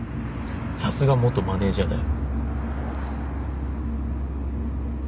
さすが元マネージャーだよ